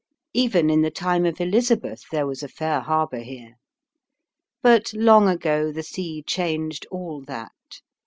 Even in the time of Elizabeth there was a fair harbour here. But long ago the sea changed all that.